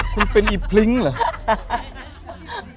คุณเป็นอีพลิ้งเหรอ